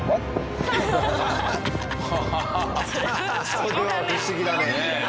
「それは不思議だね」。